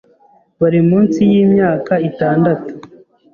bari munsi y'Imyaka itandatu